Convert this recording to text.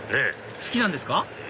好きなんですか？